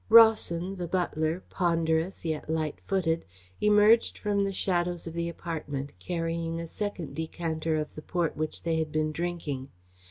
Rawson, the butler, ponderous yet light footed, emerged from the shadows of the apartment, carrying a second decanter of the port which they had been drinking.